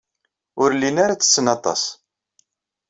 Ur llin ara ttetten aṭas.